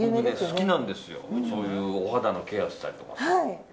好きなんですよお肌のケアしたりとか。